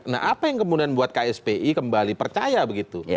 nah apa yang kemudian buat kspi kembali percaya begitu